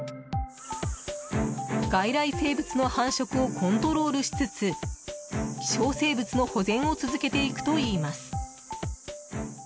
外来生物の繁殖をコントロールしつつ希少生物の保全を続けていくといいます。